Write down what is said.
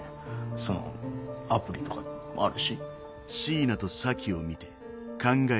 そのアプリとかもあるし。